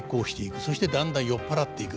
そしてだんだん酔っ払っていく。